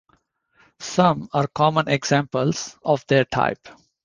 Some are common examples of their type.